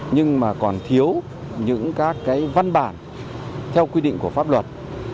nhưng mà còn thiếu những các cái văn bản theo quy định của pháp luật